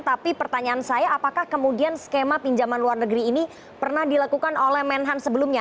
tapi pertanyaan saya apakah kemudian skema pinjaman luar negeri ini pernah dilakukan oleh menhan sebelumnya